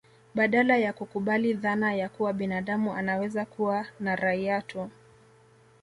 Badala ya kukubali dhana ya kuwa binadamu anaweza kuwa na raia tu